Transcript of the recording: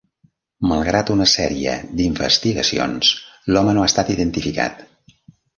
Malgrat una sèrie d'investigacions, l'home no ha estat identificat.